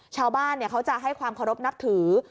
ชาวบ้านเขาจะให้ความเคารพนับถือ